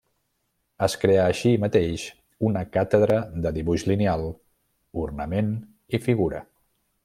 Es creà així mateix una càtedra de dibuix lineal, ornament i figura.